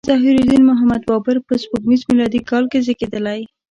ظهیرالدین محمد بابر په سپوږمیز میلادي کال کې زیږیدلی.